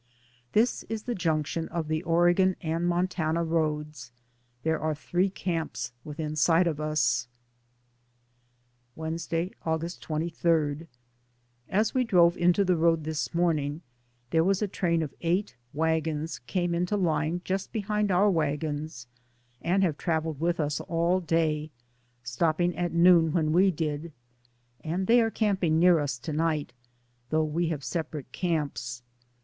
This is the junction of the Oregon and 240 DAYS ON THE ROAD. Montana roads. There are three camps within sight of us. Wednesday, August 23. As we drove into the road this morning there was a train of eight wagons came into line just behind our wagons, and have trav eled with us all day, stopping at noon when we did, and they are camping near us to night, though we have separate camps.